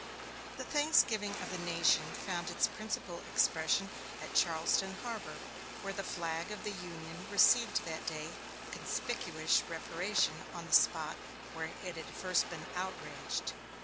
The thanksgiving of the nation found its principal expression at Charleston Harbor, where the flag of the Union received that day a conspicuous reparation on the spot where it had first been outraged.